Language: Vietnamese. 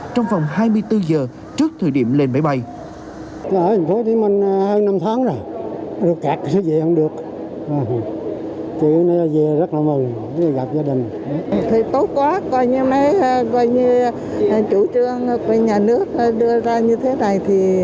trong vòng hai mươi bốn h trước thời điểm lên bãi bay